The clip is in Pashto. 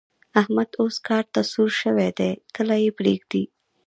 احمد اوس کار ته سور شوی دی؛ کله يې پرېږدي.